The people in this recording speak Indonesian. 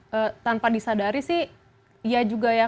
tapi mungkin tanpa disadari sih ya juga ya